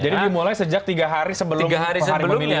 jadi dimulai sejak tiga hari sebelum hari pemilihan